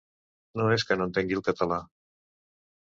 No és que no entengui el català.